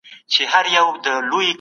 سياست تل له قانونيت سره اړيکي ساتي.